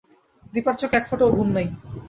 দিপার চোখে এক ফোটাও ঘুম নাই।